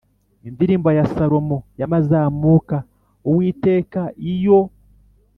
Indirimbo ya salomo y amazamuka uwiteka iyo